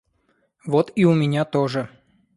Вот и у меня тоже